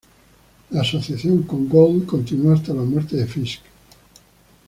La asociación con Gould continuó hasta la muerte de Fisk.